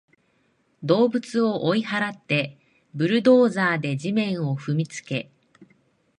動物を追い払って、ブルドーザーで地面を踏みつけ